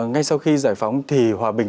ngay sau khi giải phóng thì hòa bình